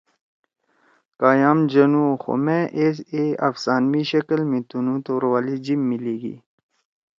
کا یام جنوو خو مأ ایز اے افسانوی شکل می تُنو توروالی جیب می لیگی۔